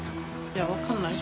いや分かんない。